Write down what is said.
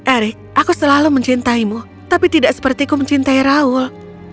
eric aku selalu mencintaimu tapi tidak sepertiku mencintai raul